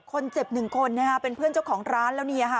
คนเจ็บหนึ่งคนเป็นเพื่อนเจ้าของร้านแลู้่